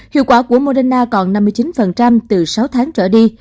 hiệu quả của moderna còn năm mươi chín từ sáu tháng trở đi